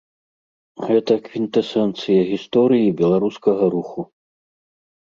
Гэта квінтэсэнцыя гісторыі беларускага руху.